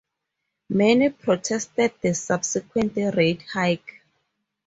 Many protested the subsequent rate hike.